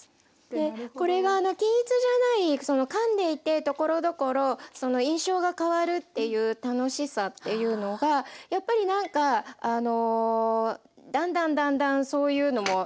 これが均一じゃないそのかんでいてところどころその印象が変わるっていう楽しさっていうのがやっぱりなんかあのだんだんだんだんそういうのも何というですかね。